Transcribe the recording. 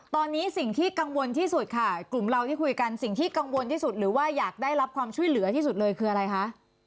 ตอนนี้สิ่งที่กังวลที่สุดค่ะกลุ่มเราที่คุยกันสิ่งที่กังวลที่สุดหรือว่าอยากได้รับความช่วยเหลือที่สุดเลยคืออะไรคะ